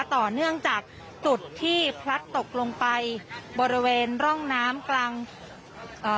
ต่อเนื่องจากจุดที่พลัดตกลงไปบริเวณร่องน้ำกลางเอ่อ